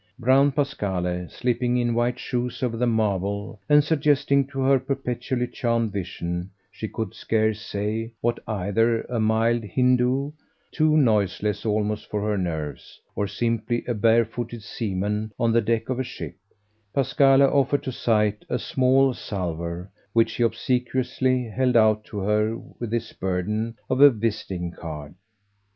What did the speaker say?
Brown Pasquale, slipping in white shoes over the marble and suggesting to her perpetually charmed vision she could scarce say what, either a mild Hindoo, too noiseless almost for her nerves, or simply a barefooted seaman on the deck of a ship Pasquale offered to sight a small salver, which he obsequiously held out to her with its burden of a visiting card.